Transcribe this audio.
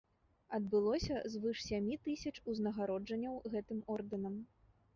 Адбылося звыш сямі тысяч узнагароджанняў гэтым ордэнам.